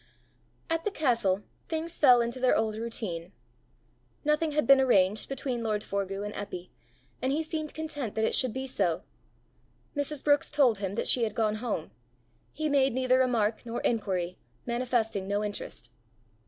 At the castle things fell into their old routine. Nothing had been arranged between lord Forgue and Eppy, and he seemed content that it should be so. Mrs. Brookes told him that she had gone home: he made neither remark nor inquiry, manifesting no interest.